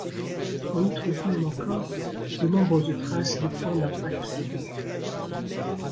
On y trouve même encore de nombreuses traces de points d'impact d'obus.